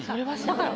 だから。